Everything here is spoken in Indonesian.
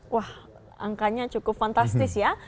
wah angkanya cukup fantastis ya